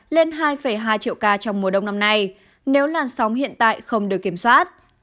lên hai hai triệu ca trong mùa đông năm nay nếu làn sóng hiện tại không được kiểm soát